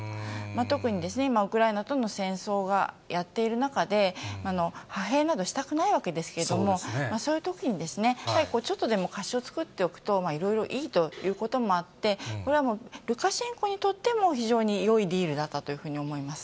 特に今、ウクライナとの戦争がやっている中で、派兵などしたくないわけですけれども、そういうときに、ちょっとでも貸しを作っておくと、いろいろいいということもあって、これはもう、ルカシェンコにとっても、非常によいディールだったと思います。